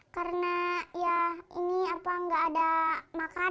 karena ya ini apa nggak ada makanan